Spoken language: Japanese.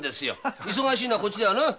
忙しいのはこっちだよな。